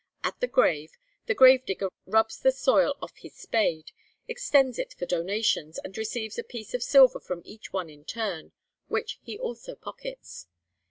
At the grave, the gravedigger rubs the soil off his spade, extends it for donations, and receives a piece of silver from each one in turn, which he also pockets.